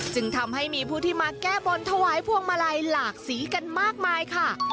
จึงทำให้มีผู้ที่มาแก้บนถวายพวงมาลัยหลากสีกันมากมายค่ะ